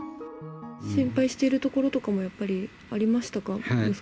心配しているところとかも、ありました。